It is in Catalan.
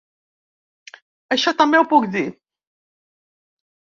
Això també ho puc dir.